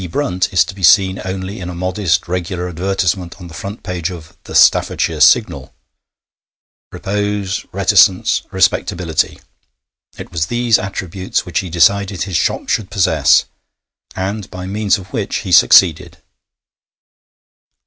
Brunt' is to be seen only in a modest regular advertisement on the front page of the Staffordshire Signal. Repose, reticence, respectability it was these attributes which he decided his shop should possess, and by means of which he succeeded.